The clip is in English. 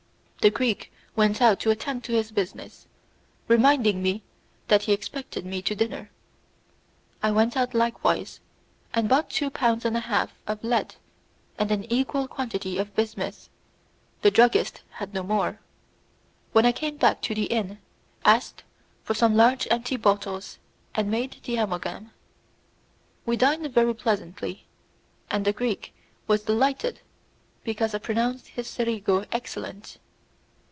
The Greek went out to attend to his business, reminding me that he expected me to dinner. I went out likewise, and bought two pounds and a half of lead and an equal quantity of bismuth; the druggist had no more. I came back to the inn, asked for some large empty bottles, and made the amalgam. We dined very pleasantly, and the Greek was delighted because I pronounced his Cerigo excellent.